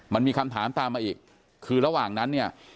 มันมีคำถามตามมาอีกคือระหว่างนั้นเนี่ย